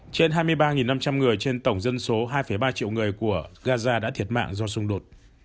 trên hai mươi ba năm trăm linh người trên tổng dân số hai ba triệu người của gaza đã thiệt mạng do xung đột